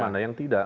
mana yang tidak